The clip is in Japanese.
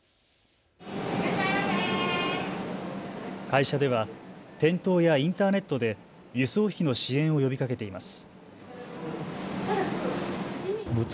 会社では店頭やインターネットで輸送費の支援を呼びかけています。